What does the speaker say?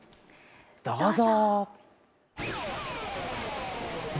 どうぞ。